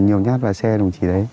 nhiều nhát vào xe đồng chí đấy